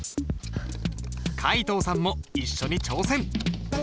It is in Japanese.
皆藤さんも一緒に挑戦。